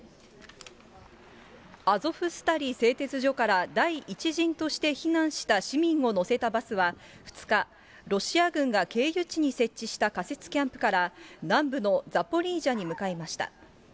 アゾフスタリ製鉄所から、第１陣として避難した市民を乗せたバスは、２日、ロシア軍が経由地に設置した仮設キャンプから、南部のザポリージャに向かいました。